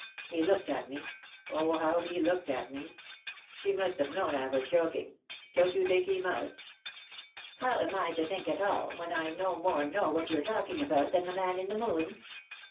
He looked at me— oh how he looked at me I He must have known I was joking ; don't you think he must?" " How am I to think at all, when I no more know what you're talking about than the man in the moon